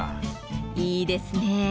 いいですね。